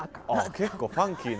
結構ファンキーな。